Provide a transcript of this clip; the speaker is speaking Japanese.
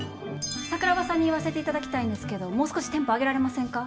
桜庭さんに言わせていただきたいんですけどもう少しテンポ上げられませんか？